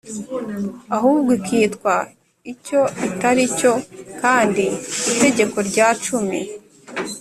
ahubwo ikitwa icyo itari cyo kandi itegeko rya cumi’